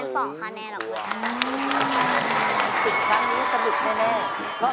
อืมมมมมมสิ่งครั้งนี้ก็ดึกแน่